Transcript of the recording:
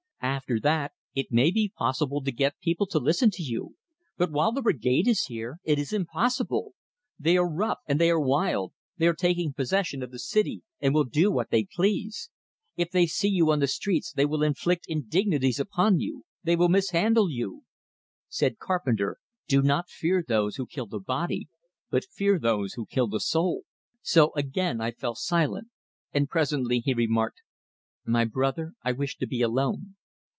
After that, it may be possible to get people to listen to you. But while the Brigade is here, it is impossible. They are rough, and they are wild; they are taking possession of the city, and will do what they please. If they see you on the streets, they will inflict indignities upon you, they will mishandle you " Said Carpenter: "Do not fear those who kill the body, but fear those who kill the soul." So again I fell silent; and presently he remarked: "My brother, I wish to be alone."